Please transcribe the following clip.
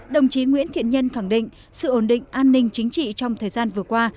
đồng chí nguyễn thiện nhân khẳng định sự ổn định an ninh chính trị trong thời gian vừa qua